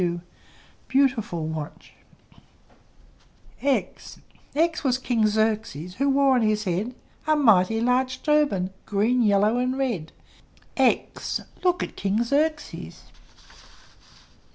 w! Beautiful watch! X X was King Xerxes, Who wore on his head A mighty large turban, Green, yellow, and red. x! Look at King Xerxes!